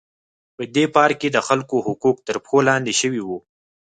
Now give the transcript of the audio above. په دې پارک کې د خلکو حقوق تر پښو لاندې شوي وو.